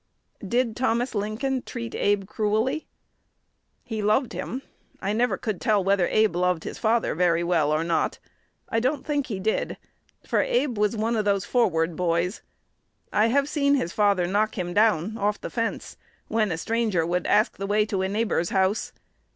"Did Thomas Lincoln treat Abe cruelly?" "He loved him. I never could tell whether Abe loved his father very well or not. I don't think he did, for Abe was one of those forward boys. I have seen his father knock him down off the fence when a stranger would, ask the way to a neighbor's house.